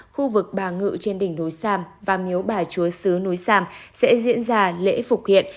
khu vực bà ngự trên đỉnh núi sam và miếu bà chúa sứ núi sam sẽ diễn ra lễ phục hiện